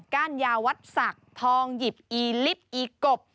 ก้านยาวัดศักดิ์ทองหยิบอีลิฟต์อีกบ